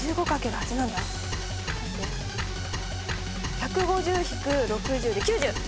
１５０−６０で９０。